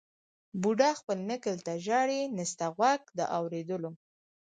بوډا خپل نکل ته ژاړي نسته غوږ د اورېدلو